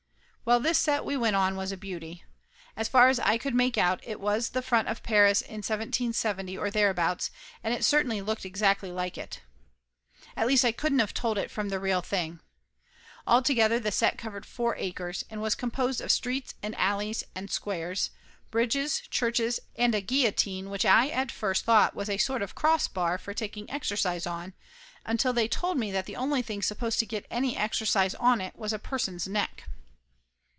Well, this set we went on was a beauty. As far as I could make out it was the front of Paris in 1770 or thereabouts and it certainly looked exactly like it. At least I couldn't of told it from the real thing. Alto gether the set covered four acres, and was composed of streets and alleys and squares, bridges, churches and a guillotine which I at first thought was a sort of cross bar for taking exercise on until they told me that the only thing supposed to get any exercise on it was a person's neck.